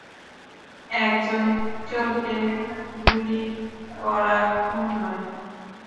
একজন চোরকে গুলি করা খুন নয়।